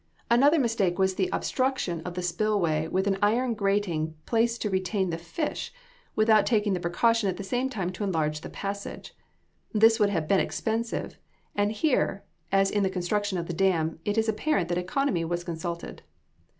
Another mistake was the obstruction of the spill way with an iron grating placed to retain the fish, without taking the precaution at the same time to enlarge the passage. This would have been expensive; and here, as in the construction of the dam, it is apparent that economy was consulted.